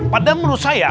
padahal menurut saya